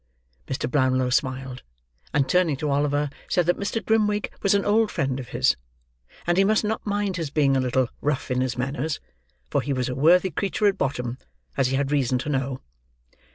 Mr. Brownlow smiled; and, turning to Oliver, said that Mr. Grimwig was an old friend of his, and he must not mind his being a little rough in his manners; for he was a worthy creature at bottom, as he had reason to know.